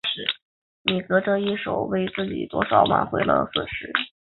米格这一手为自己多少挽回了损失。